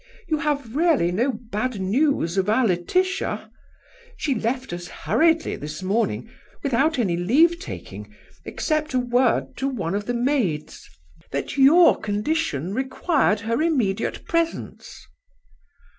You have really no bad news of our Laetitia? She left us hurriedly this morning, without any leave taking, except a word to one of the maids, that your condition required her immediate presence."